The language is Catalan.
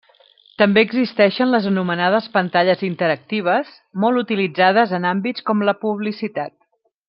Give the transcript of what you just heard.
També existeixen les anomenades pantalles interactives, molt utilitzades en àmbits com la publicitat.